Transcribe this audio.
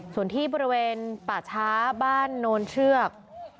ส่วนที่บริเวณป่าช้าบ้านโนนเชือก